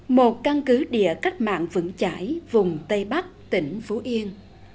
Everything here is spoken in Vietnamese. một căn cứ địa cách mạng vững chải vùng tây bắc tỉnh phú yên